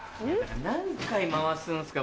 ・・何回回すんすか？